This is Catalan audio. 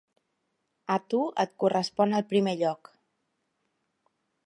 A tu et correspon el primer lloc.